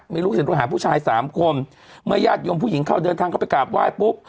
มีลูกศิษย์โทรหาผู้ชายสามคนเมื่อญาติโยมผู้หญิงเข้าเดินทางเข้าไปกราบไหว้ปุ๊บ